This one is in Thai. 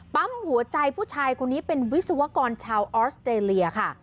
ปั๊มหัวใจผู้ชายคนนี้เป็นวิศวกรชาวออสเตรเลียค่ะ